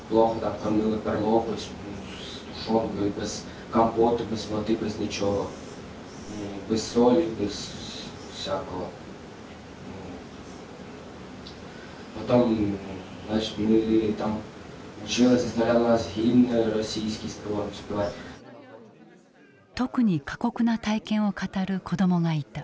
特に過酷な体験を語る子どもがいた。